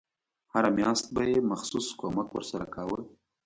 هره میاشت به یې مخصوص کمک ورسره کاوه.